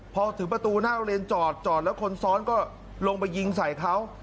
พอถึงประตูหน้าโรงเรียนจอดจอดแล้วคนซ้อนก็ลงไปยิงใส่เขา